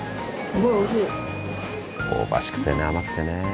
香ばしくてね甘くてね。